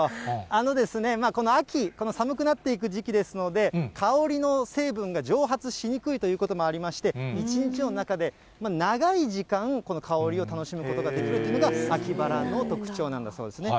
あのですね、この秋、寒くなっていく時期ですので、香りの成分が蒸発しにくいということもありまして、一日の中で長い時間、この香りを楽しむことができるというのが秋バラの特徴なんだそうですね。